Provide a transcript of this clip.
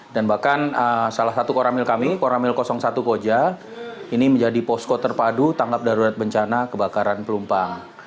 dan bahkan salah satu koramil kami koramil satu koja ini menjadi posko terpadu tanggap darurat bencana kebakaran pertamina pumpang